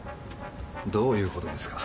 どういうことですか？